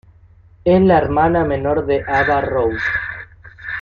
Es la hermana menor de Ava Rose.